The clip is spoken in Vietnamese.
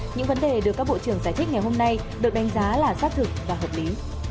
những vấn đề được các bộ trưởng giải thích ngày hôm nay được đánh giá là xác thực và hợp lý